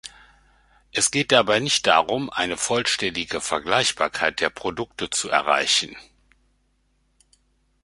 Es geht dabei nicht darum, eine vollständige Vergleichbarkeit der Produkte zu erreichen.